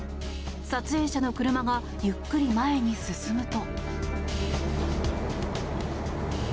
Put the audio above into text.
撮影者の車がゆっくり前に進むと。